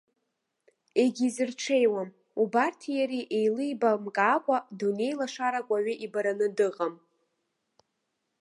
Егьизырҽеиуам, убарҭи иареи еилибамкаакәа дунеи лашарак уаҩы ибараны дыҟам.